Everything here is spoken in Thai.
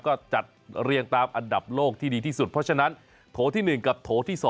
ก็จัดเรียงตามอันดับโลกที่ดีที่สุดเพราะฉะนั้นโถที่๑กับโถที่๒